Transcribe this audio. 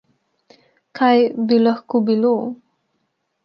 Kaj bi lahko bilo?